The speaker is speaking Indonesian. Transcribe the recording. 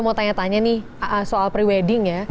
mau tanya tanya nih soal pre wedding ya